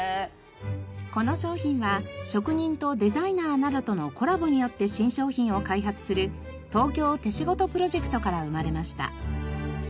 この商品は職人とデザイナーなどとのコラボによって新商品を開発する「東京手仕事」プロジェクトから生まれました。